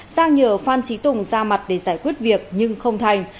sang nhờ phan trí tùng ra mặt để giải quyết việc nhưng không thành